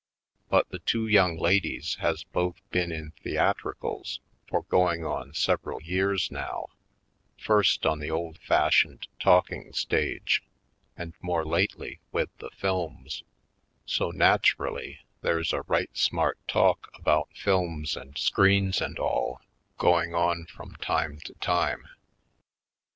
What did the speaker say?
But the two young ladies has both been in theatricals for going on several years now, first on the old fashioned talking stage and more lately with the films; so naturally there's a right smart talk about films and screens and all, going on from time to time.